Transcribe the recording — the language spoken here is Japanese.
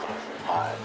はい。